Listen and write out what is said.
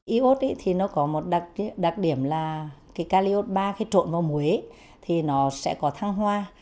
y ốt thì nó có một đặc điểm là cái caliote ba khi trộn vào muối thì nó sẽ có thăng hoa